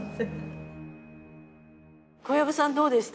小籔さんどうでした？